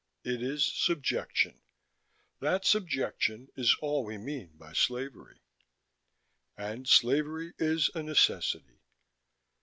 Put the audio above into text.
It is subjection. That subjection is all we mean by slavery. And slavery is a necessity.